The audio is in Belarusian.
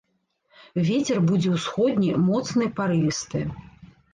Вецер будзе ўсходні, моцны парывісты.